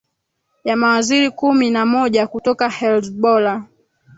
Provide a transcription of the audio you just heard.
ya mawaziri kumi na moja kutoka helzbolla